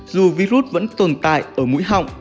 dù virus vẫn tồn tại ở mũi họng